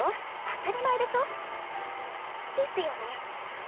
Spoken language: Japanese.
当たり前でしょ。ですよね。